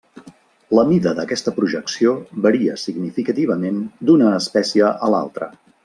La mida d'aquesta projecció varia significativament d'una espècie a l'altra.